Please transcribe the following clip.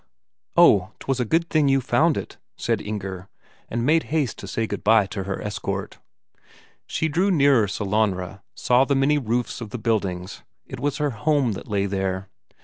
"Oh, 'twas a good thing you found it," said Inger, and made haste to say good bye to her escort. She drew nearer Sellanraa, saw the many roofs of the buildings; it was her home that lay there.